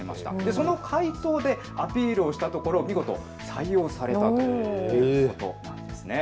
その回答でアピールをしたところ見事採用されたということなんです。